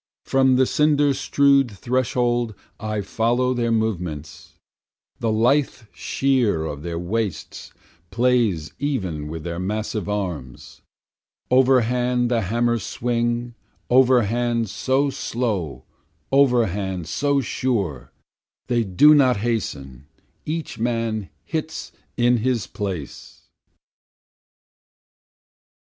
From the cinder strew'd threshold I follow their movements, The lithe sheer of their waists plays even with their massive arms, Overhand the hammers swing, overhand so slow, overhand so sure, They do not hasten, each man hits in his place.